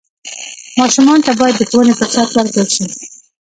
ماشومانو ته باید د ښوونې فرصت ورکړل شي.